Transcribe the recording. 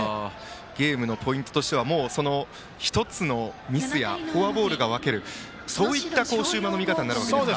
ゲームのポイントとしては１つのミスやフォアボールが分けるというそういった終盤ですか。